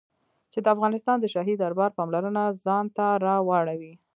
چې د افغانستان د شاهي دربار پاملرنه ځان ته را واړوي.